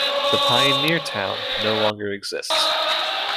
The pioneer town no longer exists.